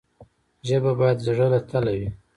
ژبه باید د زړه له تله وي.